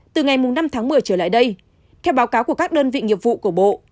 từ ngày năm tháng một mươi trở lại đây theo báo cáo của các đơn vị nghiệp vụ của bộ